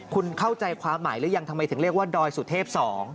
คุณเข้าใจความหมายหรือยังทำไมถึงเรียกว่าดอยสุเทพ๒